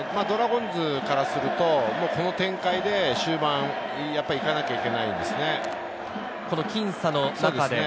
ドラゴンズからすると、この展開で終盤やっぱり行かなきゃいけないですね。